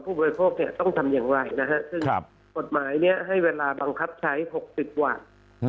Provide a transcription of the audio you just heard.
ผู้บริโภคต้องทำอย่างไรนะฮะซึ่งกฎหมายนี้ให้เวลาบังคับใช้๖๐วัน